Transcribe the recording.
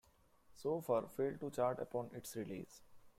So Far failed to chart upon its release.